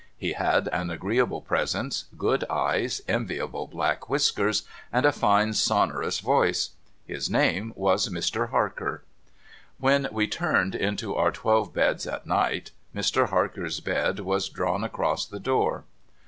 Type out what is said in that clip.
He had an agreeable presence, good eyes, enviable black whiskers, and a fine sonorous voice. His name was Mr. Harker. When we turned into our twelve beds at night, Mr. Harker's bed 404 DOCTOR MARIGOLD was drawn across the door.